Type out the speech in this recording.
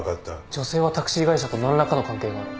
女性はタクシー会社と何らかの関係がある。